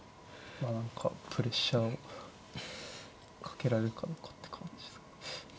まあ何かプレッシャーをかけられるかどうかって感じですか。